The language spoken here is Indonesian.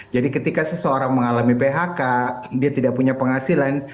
jadi ketika seseorang mengalami phk dia tidak punya penghasilan